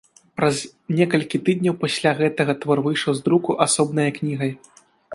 Праз некалькі тыдняў пасля гэтага твор выйшаў з друку асобнае кнігай.